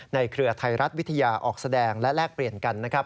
ในเครือไทยรัฐวิทยาฯออกแสดงและแรกเปลี่ยนกัน